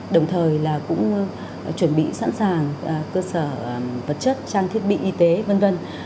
đồng thời là cũng chuẩn bị sẵn sàng cơ sở vật chất trang thiết bị y tế vân vân